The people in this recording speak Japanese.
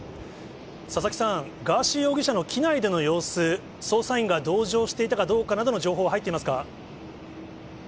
佐々木さん、ガーシー容疑者の機内での様子、捜査員が同乗していたかどうかなどの情報は入っていますか？